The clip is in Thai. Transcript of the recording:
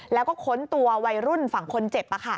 แล้วก็ค้นตัววัยรุ่นฝั่งคนเจ็บ